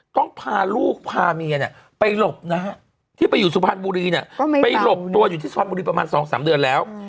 ต้องพาลูกพาเมียเนี่ยไปหลบนะฮะที่ไปอยู่สุพรรณบุรีเนี่ยไปหลบตัวอยู่ที่สุพรรณบุรีประมาณ๒๓เดือนแล้ว